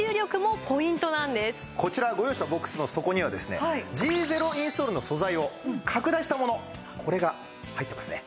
こちらご用意したボックスの底にはですねＧゼロインソールの素材を拡大したものこれが入ってますね。